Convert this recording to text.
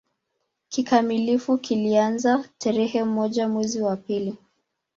Kikamilifu kilianza tarehe moja mwezi wa pili